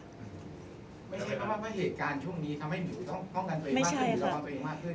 ไม่ใช่คำว่าเพราะเหตุการณ์ช่วงนี้ทำให้หมิวต้องกันตัวเองมากขึ้นหรือต้องกันตัวเองมากขึ้น